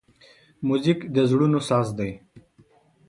موزیک د زړونو ساز دی.